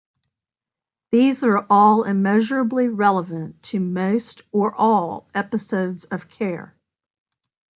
These are all immeasurably relevant to most or all episodes of care.